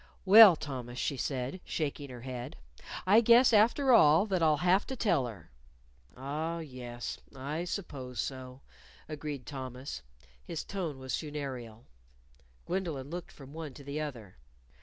"Well, Thomas," she said, shaking her head, "I guess after all that I'll have to tell her." "Ah, yes, I suppose so," agreed Thomas. His tone was funereal. Gwendolyn looked from one to the other.